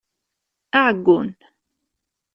Aɛeggun!